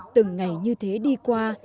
từng ngày như thế đi qua